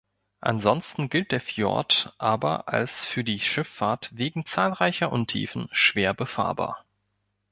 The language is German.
Ansonsten gilt der Fjord aber als für die Schifffahrt wegen zahlreicher Untiefen schwer befahrbar.